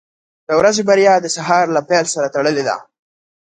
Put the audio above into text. • د ورځې بریا د سهار له پیل سره تړلې ده.